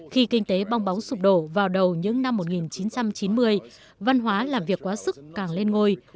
khi kinh tế bong bóng sụp đổ vào đầu những năm một nghìn chín trăm chín mươi văn hóa làm việc quá sức càng lên ngôi